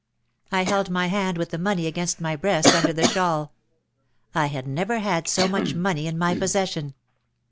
I held my hand with the money against my breast under the shawl. I had never had so much money in my possession.